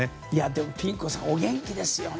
ピン子さんお元気ですよね。